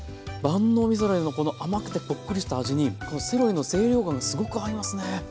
万能みそだれの甘くてこっくりした味にセロリの清涼感がすごく合いますね。